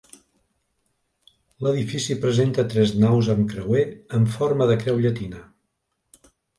L'edifici presenta tres naus amb creuer en forma de creu llatina.